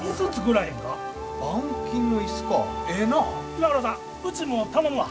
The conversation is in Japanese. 岩倉さんうちも頼むわ。